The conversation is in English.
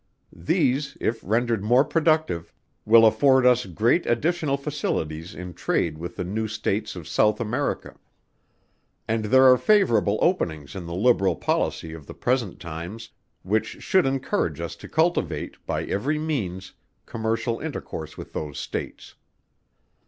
These, if rendered more productive, will afford us great additional facilities in trade with the new States of South America: and there are favourable openings in the liberal policy of the present times, which should encourage us to cultivate, by every means, commercial intercourse with those States.